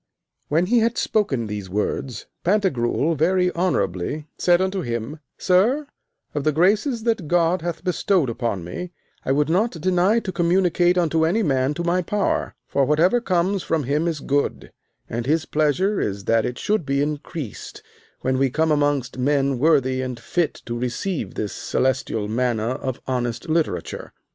When he had spoken these words, Pantagruel very honourably said unto him: Sir, of the graces that God hath bestowed upon me, I would not deny to communicate unto any man to my power. For whatever comes from him is good, and his pleasure is that it should be increased when we come amongst men worthy and fit to receive this celestial manna of honest literature.